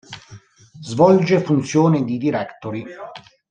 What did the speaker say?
Svolge funzione di directory.